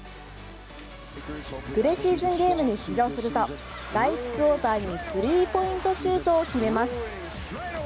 プレシーズンゲームに出場すると第１クオーターにスリーポイントシュートを決めます。